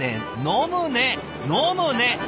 飲むね！